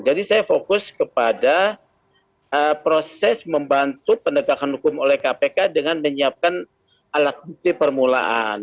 jadi saya fokus kepada proses membantu pendekatan hukum oleh kpk dengan menyiapkan alat bukti permulaan